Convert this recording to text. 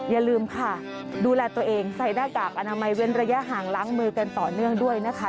อย่าลืมค่ะดูแลตัวเองใส่หน้ากากอนามัยเว้นระยะห่างล้างมือกันต่อเนื่องด้วยนะคะ